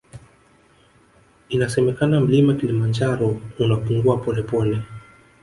Inasemekana mlima kilimanjaro unapungua polepole